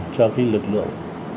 cho cái lực lượng